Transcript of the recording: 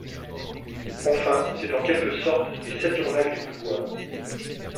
Enfin c’est en quelque sorte les saturnales du pouvoir.